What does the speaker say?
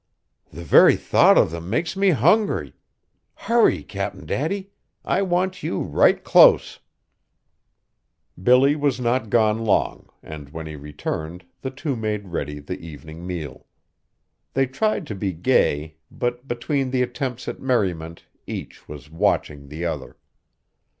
"The very thought of them makes me hungry! Hurry, Cap'n Daddy; I want you right close!" Billy was not gone long, and when he returned the two made ready the evening meal. They tried to be gay, but between the attempts at merriment each was watching the other.